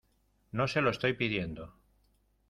no se lo estoy pidiendo